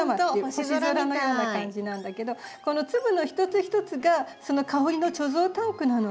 星空のような感じなんだけどこの粒の一つ一つがその香りの貯蔵タンクなの。